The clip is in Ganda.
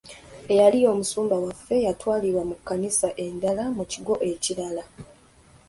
Eyali omusumba waffe yatwalibwa mu kkanisa endala mu kigo ekirala.